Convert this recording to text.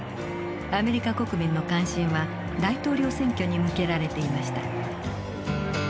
アメリカ国民の関心は大統領選挙に向けられていました。